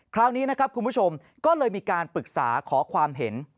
คราวนี้นะครับคุณผู้ชมก็เลยมีการปรึกษาขอความเห็น